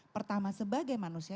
pertama sebagai manusia